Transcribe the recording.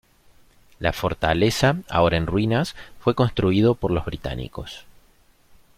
La fortaleza, ahora en ruinas, fue construido por los británicos.